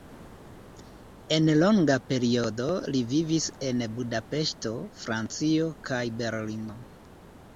En longa periodo li vivis en Budapeŝto, Francio kaj Berlino.